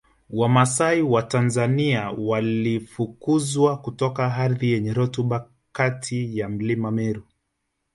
Wamasai wa Tanzania walifukuzwa kutoka ardhi yenye rutuba kati ya Mlima Meru